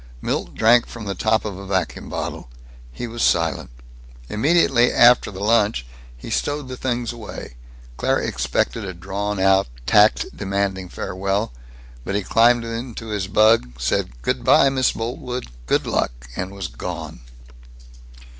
Milt drank from the top of a vacuum bottle. He was silent. Immediately after the lunch he stowed the things away. Claire expected a drawn out, tact demanding farewell, but he climbed into his bug, said "Good by, Miss Boltwood. Good luck!" and was gone.